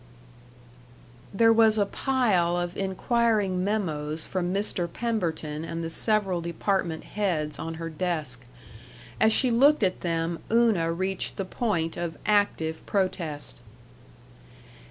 There was a pile of inquiring memoes from Mr. Pemberton and the several department heads on her desk. As she looked at them Una reached the point of active protest.